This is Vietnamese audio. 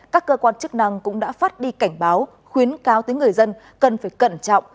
các cơ quan chức năng cũng đã phát đi cảnh báo khuyến cáo tới người dân cần phải cẩn trọng